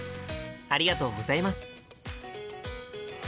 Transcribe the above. ありがとうございます。